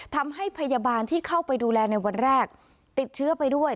ทำให้พยาบาลที่เข้าไปดูแลในวันแรกติดเชื้อไปด้วย